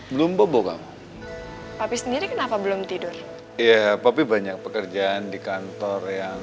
belum bobo kamu tapi sendiri kenapa belum tidur ya tapi banyak pekerjaan di kantor yang